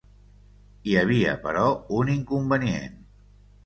Hi havia, però, un inconvenient.